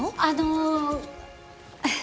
あの。